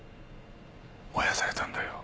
燃やされたんだよ。